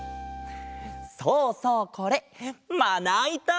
そうそうこれまないた！